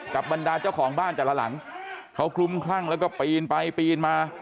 บรรดาเจ้าของบ้านแต่ละหลังเขาคลุ้มคลั่งแล้วก็ปีนไปปีนมา